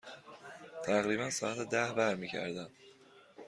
تقریبا ساعت ده برمی گردم.